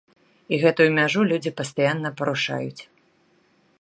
І гэтую мяжу людзі пастаянна парушаюць.